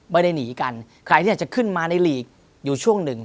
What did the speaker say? ไม่ได้หนีกันใครที่อยากจะขึ้นมาในลีกอยู่ช่วงหนึ่ง